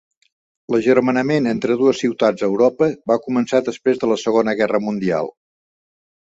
L'agermanament entre dues ciutats a Europa va començar després de la Segona Guerra Mundial.